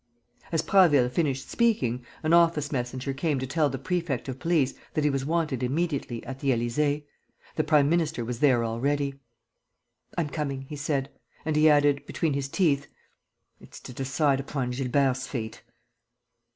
As Prasville finished speaking, an office messenger came to tell the prefect of police that he was wanted immediately at the Élysée. The prime minister was there already. "I'm coming," he said. And he added, between his teeth, "It's to decide upon Gilbert's fate."